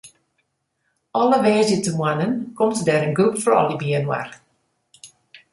Alle woansdeitemoarnen komt dêr in groep froulju byinoar.